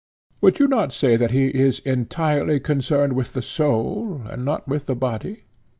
Would you not say that he is entirely concerned with the soul and not with the body?